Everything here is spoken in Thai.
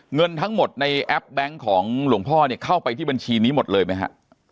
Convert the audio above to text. เงินทั้งหมดในแอปแบงค์ของหลวงพ่อเนี่ยเข้าไปที่บัญชีนี้หมดเลยไหมฮะ